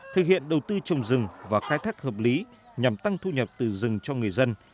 thực hiện đầu tư trồng rừng và khai thác hợp lý nhằm tăng thu nhập từ rừng cho người dân